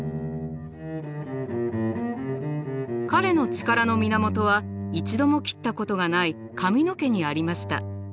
彼の力の源は一度も切ったことがない髪の毛にありました。